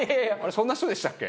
そんな人でしたっけ？